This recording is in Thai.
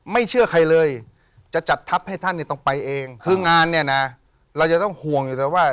ไม่เชื่อใครเลยจะจัดทัพให้ท่านเนี่ยต้องไปเองคืองานเนี่ยนะเราจะต้องห่วงอยู่แต่ว่า